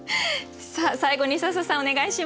さあ最後に笹さんお願いします。